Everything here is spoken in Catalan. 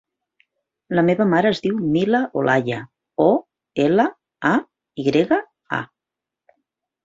La meva mare es diu Mila Olaya: o, ela, a, i grega, a.